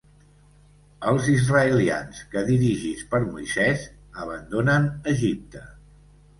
Els israelians, que dirigits per Moisès, abandonen Egipte.